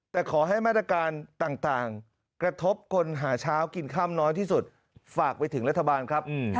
แต่ขอให้มาตรการต่างกระทบคนหาเช้ากินค่ำน้อยที่สุดฝากไปถึงรัฐบาลครับ